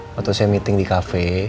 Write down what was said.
waktu saya meeting di kafe